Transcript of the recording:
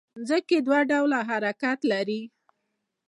ځمکه دوه ډوله حرکت لري